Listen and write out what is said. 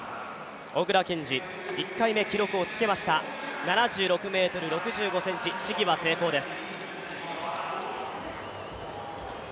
小椋健司、１回目記録をつけました７６ｍ６５ｃｍ、試技は成功です。